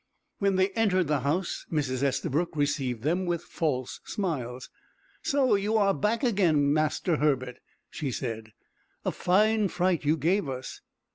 When they entered the house Mrs. Estabrook received them with false smiles. "So you are back again, Master Herbert," she said. "A fine fright you gave us!"